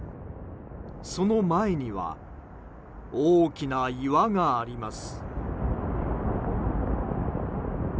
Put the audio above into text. その前には大きな岩があります。